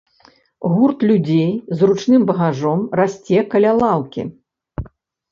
Гурт людзей з ручным багажом расце каля лаўкі.